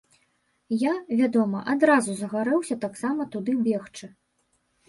Я, вядома, адразу загарэўся таксама туды бегчы.